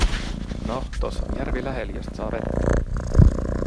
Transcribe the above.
"Noh, tos on järvi lähel, jost saa vettä.